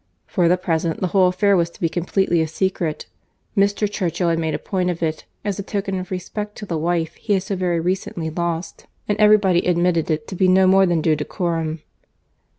"For the present, the whole affair was to be completely a secret. Mr. Churchill had made a point of it, as a token of respect to the wife he had so very recently lost; and every body admitted it to be no more than due decorum."